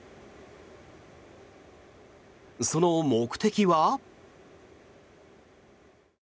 その目的は。